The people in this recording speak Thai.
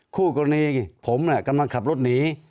คู่กรณีผมกำลังขับรถหนี